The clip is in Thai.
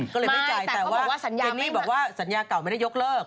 ก็เลยไม่จ่ายแต่ว่าเจนี่บอกว่าสัญญาเก่าไม่ได้ยกเลิก